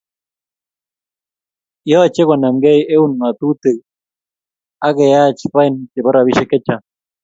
Yochei konamkei eun ngatutik ak keyach fain chebo robishiek chechang